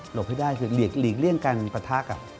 หลบให้ได้คือหลีกเลี่ยงการประทักษมณ์กับ